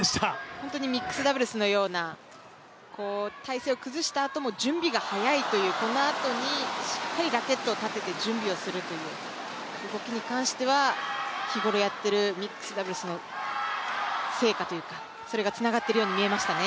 本当にミックスダブルスのような、体勢を崩したあとも準備が速いという、このあとにしっかりとラケットを立てて準備をするという動きに関しては日頃やっているミックスダブルスの成果というかそれがつながっているように見えましたね。